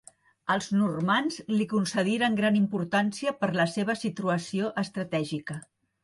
Els normands li concediren gran importància per la seva situació estratègica.